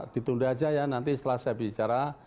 ditunda aja ya nanti setelah saya bicara